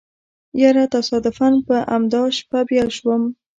يره تصادفاً په امدا شپه بيا شوم.